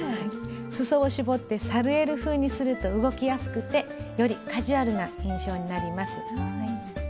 すそを絞ってサルエル風にすると動きやすくてよりカジュアルな印象になります。